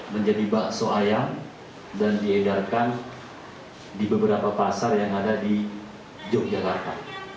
menjadi bakso ayam dan diedarkan di beberapa pasar yang ada di yogyakarta